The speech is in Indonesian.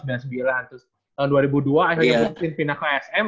tahun dua ribu dua akhirnya mungkin pindah ke sm